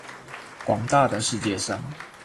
廣大的世界上